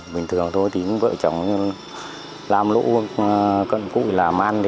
bình thường thôi thì vợ chồng làm lũ cận cụi làm ăn